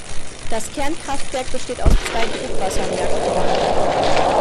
Das Kernkraftwerk besteht aus zwei Druckwasserreaktoren.